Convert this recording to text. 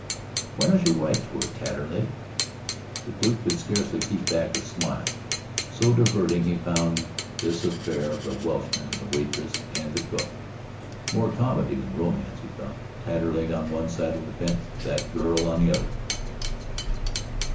"Why don't you write to her, Taterleg?" The Duke could scarcely keep back a smile, so diverting he found this affair of the Welshman, the waitress, and the cook. More comedy than romance, he thought, Taterleg on one side of the fence, that girl on the other.